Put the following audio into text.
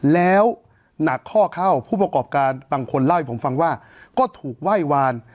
แล้วหนักข้อเข้าผู้ประกอบการบางคนเล่าให้ผมฟังว่าก็ถูกไหว้วาน